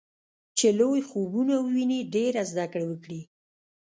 چې لوی خوبونه وويني ډېره زده کړه وکړي.